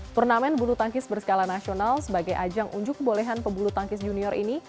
turnamen bulu tangkis berskala nasional sebagai ajang unjuk kebolehan pebulu tangkis junior ini